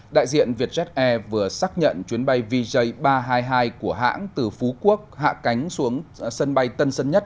đại diện vietjet air vừa xác nhận chuyến bay vj ba trăm hai mươi hai của hãng từ phú quốc hạ cánh xuống sân bay tân sơn nhất